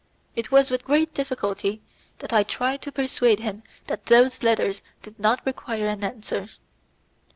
It was with great difficulty that I tried to persuade him that those letters did not require any answer.